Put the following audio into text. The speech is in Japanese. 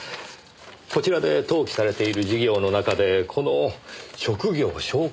こちらで登記されている事業の中でこの職業紹介事業。